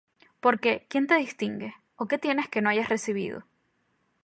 Porque ¿quién te distingue? ¿ó qué tienes que no hayas recibido?